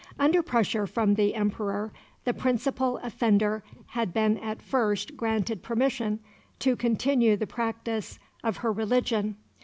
Under pressure from the Emperor the principal offender had been at first granted permission to continue the practice of her religion.